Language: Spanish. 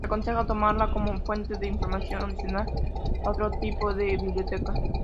Se aconseja tomarla como una fuente de información adicional a otro tipo de bibliografía.